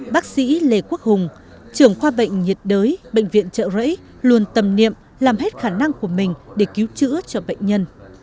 bác sĩ lê quốc hùng trưởng khoa bệnh nhiệt đới bệnh viện trợ rẫy luôn tầm niệm làm hết khả năng của mình để cứu chữa cho bệnh nhân